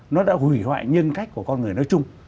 nó đã hủy hoại nhân cách của con người nói chung